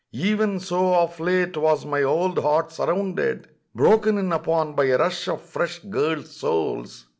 Even so of late was my old heart surrounded, broken in upon by a rush of fresh girls' souls